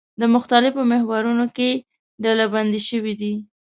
د مختلفو محورونو کې ډلبندي شوي دي.